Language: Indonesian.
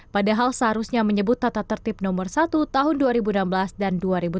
padahal seharusnya menyebut tata tertib nomor satu tahun dua ribu enam belas dan dua ribu delapan belas